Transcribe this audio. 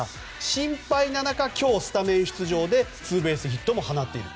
心配な中、今日スタメン出場でツーベースヒットを放っています。